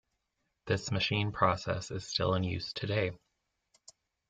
This machine process is still in use today.